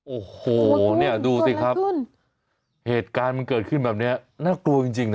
โอ้โหเนี่ยดูสิครับเหตุการณ์มันเกิดขึ้นแบบนี้น่ากลัวจริงนะ